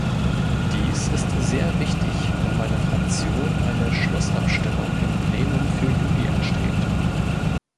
Dies ist sehr wichtig, da meine Fraktion eine Schlussabstimmung im Plenum für Juli anstrebt.